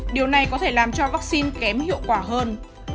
điều này có thể làm cho vắc xin kém hiệu quả hơn